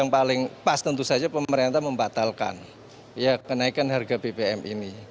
yang paling pas tentu saja pemerintah membatalkan kenaikan harga bbm ini